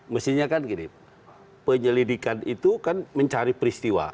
mestinya kan gini penyelidikan itu kan mencari peristiwa